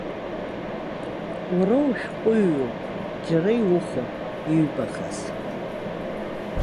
Уара ушәҟәыҩҩуп, џьара иухәап, иҩбахаз.